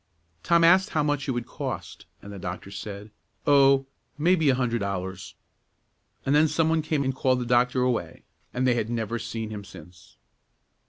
Tom asked how much it would cost, and the doctor said, "Oh, maybe a hundred dollars;" and then some one came and called the doctor away, and they had never seen him since.